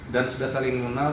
dan sudah saling mengunal